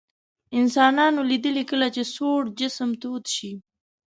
انسانانو لیدلي کله چې سوړ جسم تود شي.